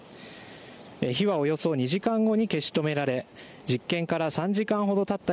火は、およそ２時間後に消し止められ実験から３時間ほどたった